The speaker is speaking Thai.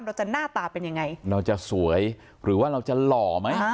หน้าตาเป็นยังไงเราจะสวยหรือว่าเราจะหล่อไหมฮะ